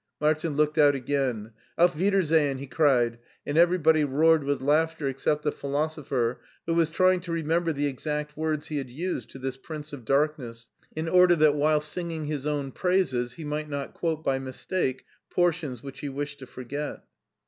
Martin looked out again. "Auf Wiedersehen !'* he cried, and everybody roared with laughter except the philosopher, who was trying to remember the exact words he had used to this prince of darkness, in order that while singing his own praises he might not quote by mistake portions which he wished to forget.